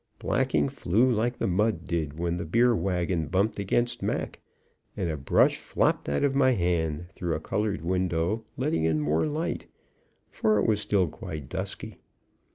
Blacking flew like the mud did when the beer wagon bumped against Mac, and a brush flopped out of my hand through a colored window, letting in more light, for it was still quite dusky.